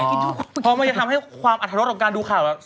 เพราะมันจะทำให้ความอรรถรสของการดูข่าว